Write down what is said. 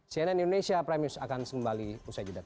cnn indonesia prime news akan sekembali